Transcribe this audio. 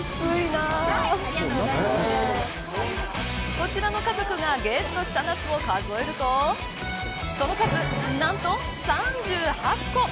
こちらの家族がゲットしたナスを数えるとその数、なんと３８個。